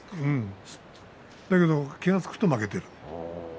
だけど気が付くと負けている。